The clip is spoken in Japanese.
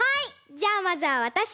じゃあまずはわたし。